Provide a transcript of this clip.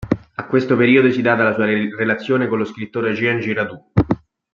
A questo periodo si data la sua relazione con lo scrittore Jean Giraudoux.